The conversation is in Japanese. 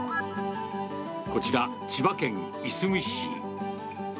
こちら、千葉県いすみ市。